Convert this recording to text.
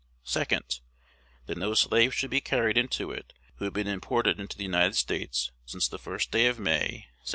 Second, That no slave should be carried into it who had been imported into the United States since the first day of May, 1798.